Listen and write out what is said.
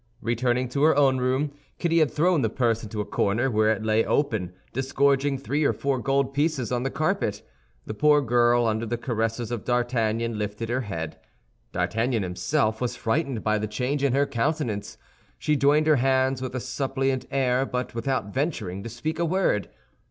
Returning to her own room, Kitty had thrown the purse into a corner, where it lay open, disgorging three or four gold pieces on the carpet. The poor girl, under the caresses of D'Artagnan, lifted her head. D'Artagnan himself was frightened by the change in her countenance. She joined her hands with a suppliant air, but without venturing to speak a word.